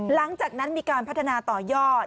หลังจากนั้นมีการพัฒนาต่อยอด